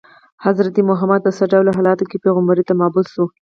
حضرت محمد په څه ډول حالاتو کې پیغمبرۍ ته مبعوث شو.